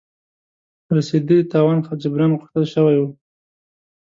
رسېدلي تاوان جبران غوښتل شوی وو.